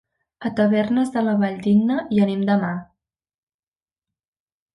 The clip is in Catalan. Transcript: A Tavernes de la Valldigna hi anem demà.